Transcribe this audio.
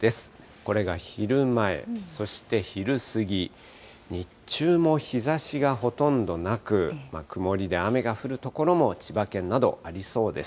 これが昼前、そして昼過ぎ、日中も日ざしがほとんどなく、曇りで雨が降る所も、千葉県などありそうです。